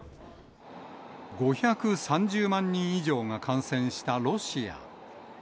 ５３０万人以上が感染したロシア。